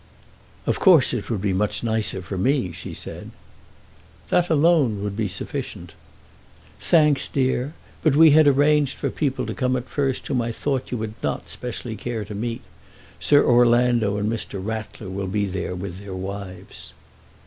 "Of course it would be much nicer for me," she said. "That alone would be sufficient." "Thanks, dear. But we had arranged for people to come at first whom I thought you would not specially care to meet. Sir Orlando and Mr. Rattler will be there with their wives."